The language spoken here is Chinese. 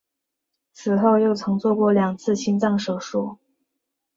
此后又曾做过两次心脏手术。